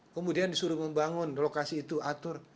kemudian disuruh membangun lokasi itu atur